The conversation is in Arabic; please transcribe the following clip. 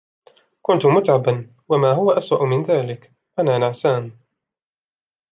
كنت متعبا و ، ما هو أسوأ من ذلك ، أنا نعسان